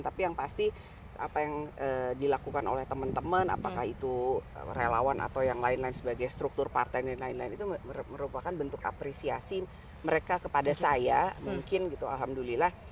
tapi yang pasti apa yang dilakukan oleh teman teman apakah itu relawan atau yang lain lain sebagai struktur partai dan lain lain itu merupakan bentuk apresiasi mereka kepada saya mungkin gitu alhamdulillah